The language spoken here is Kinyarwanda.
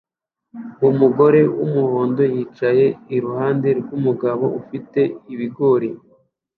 Umugore wumuhondo yicaye iruhande rwumugabo ufite ibigori